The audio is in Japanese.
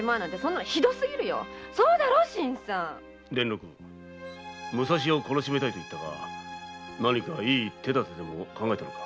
そうだろ新さん武蔵屋をこらしめたいと言ったが何かよい手だてでも考えたのか？